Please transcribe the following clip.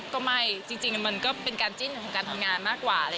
ก็ไม่จริงมันก็เป็นการจิ้นของการทำงานมากกว่า